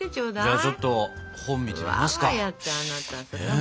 じゃあちょっと本見てみますか？